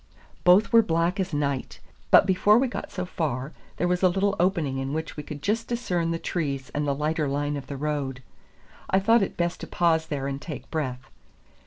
Both were black as night; but before we got so far, there was a little opening in which we could just discern the trees and the lighter line of the road. I thought it best to pause there and take breath.